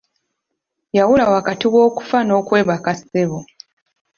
Yawula wakati w'okufa n'okwebaka ssebo.